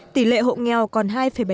tỷ lệ hộ nghèo còn hai bảy